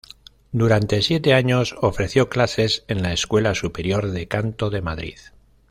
Durante siete años ofreció clases en la Escuela Superior de Canto de Madrid.